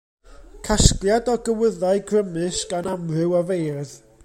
Casgliad o gywyddau grymus gan amryw o feirdd.